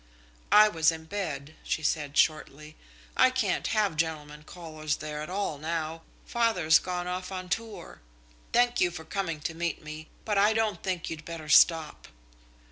"I was in bed," she said shortly. "I can't have gentlemen callers there at all now. Father's gone off on tour. Thank you for coming to meet me, but I don't think you'd better stop."